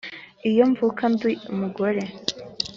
iyo mvuka ndi umugore